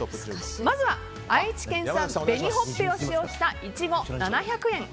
まずは愛知県産紅ほっぺを使用したいちご、７００円。